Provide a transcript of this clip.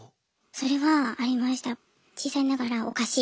それはありました。